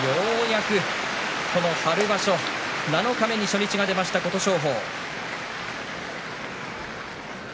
春場所、七日目に初日が出ました、琴勝峰。